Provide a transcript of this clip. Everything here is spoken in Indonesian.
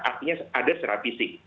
artinya ada secara fisik